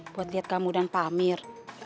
buat lihat kamu dan pak amir